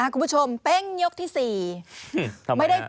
คุณผู้ชมเป้งยกที่๔